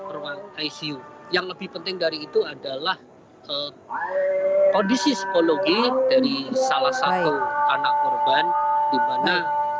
anak korban dimana kondisi psikologi yang lebih penting dari itu adalah kondisi psikologi dari salah satu anak korban dimana kondisi psikologi dari salah satu anak korban dimana